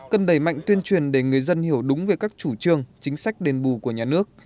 cần đẩy mạnh tuyên truyền để người dân hiểu đúng về các chủ trương chính sách đền bù của nhà nước